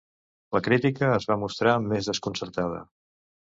La crítica es va mostrar més desconcertada.